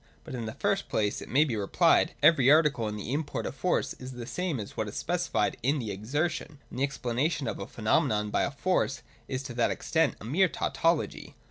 But, in the first place, it may be replied, every article in the import of Force is the same as what is specified in the Exertion : and the explanation of a phenomenon by a Force is to that extent a mere tautology.